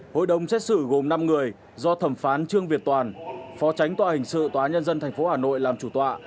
hội đồng xét xử gồm năm người do thẩm phán trương việt toàn phó tránh tòa hình sự tòa nhân dân tp hà nội làm chủ tọa